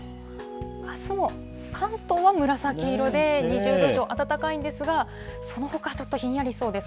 あすも関東は紫色で２０度以上、暖かいんですが、そのほかはちょっとひんやりしそうです。